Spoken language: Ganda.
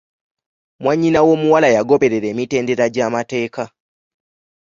Mwannyina w'omuwala yagoberera emitendera gy'amateeka.